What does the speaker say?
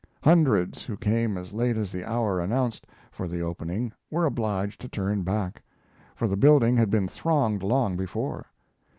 Hundreds who came as late as the hour announced for the opening were obliged to turn back, for the building had been thronged long before.